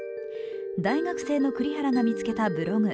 大学生の栗原が見つけたブログ。